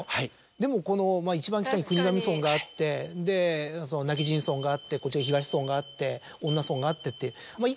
でもこの一番北に国頭村があって今帰仁村があってこっち側に東村があって恩納村があってって。